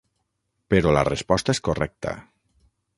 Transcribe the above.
Però la resposta és correcta.